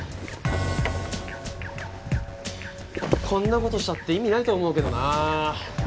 こんなことしたって意味ないと思うけどなぁ。